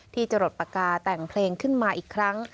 ที่จะหลดปากกาแต่งเพลงขึ้นมาอีกครั้ง